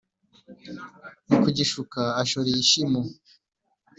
mu kugishuka ashoreye ishimo.